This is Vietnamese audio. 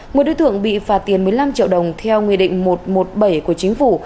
một đối tượng bị phạt tiền một mươi năm triệu đồng theo nguyên định một trăm một mươi bảy của chính phủ